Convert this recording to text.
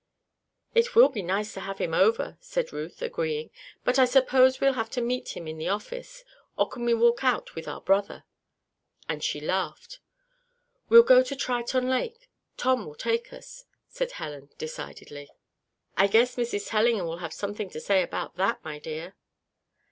"It will be nice to have him over," said Ruth, agreeing. "But I suppose we'll have to meet him in the office? Or can we walk out with our 'brother'?" and she laughed. "We'll go to Triton Lake; Tom will take us," said Helen, decidedly. "I guess Mrs. Tellingham will have something to say about that, my dear."